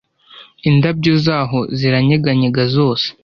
indabyo zaho ziranyeganyega zose